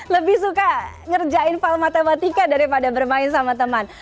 lebih suka ngerjain file matematika daripada bermain sama teman